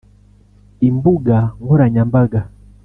Imbuga nkoranyambaga